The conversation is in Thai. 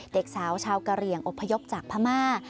เด็กสาวชาวกะเหลี่ยงอบพยพจากพม่า